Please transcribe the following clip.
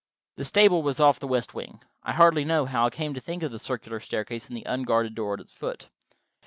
The stable was off the west wing. I hardly know how I came to think of the circular staircase and the unguarded door at its foot.